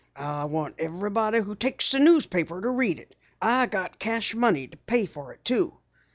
"I want everybody who takes the newspaper to read it. I got cash money to pay for it too."